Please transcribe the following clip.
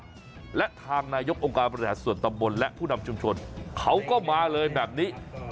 และทางนายกองค์การบริหารส่วนตำบลและผู้นำชุมชนเขาก็มาเลยแบบนี้